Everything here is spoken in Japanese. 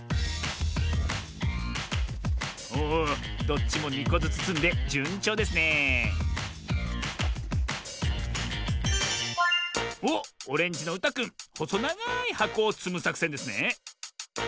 おおどっちも２こずつつんでじゅんちょうですねえおっオレンジのうたくんほそながいはこをつむさくせんですね。